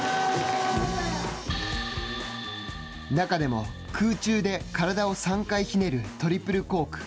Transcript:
中でも空中で体を３回ひねるトリプルコーク。